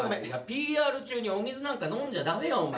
「ＰＲ中にお水なんか飲んじゃダメよお前」